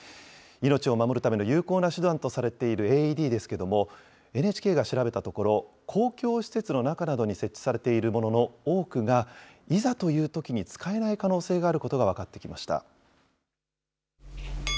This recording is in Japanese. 命を守るための有効な手段とされているＡＥＤですけれども、ＮＨＫが調べたところ、公共施設の中などに設置されているものの多くが、いざというときに使えない可能性があることが分かってきました。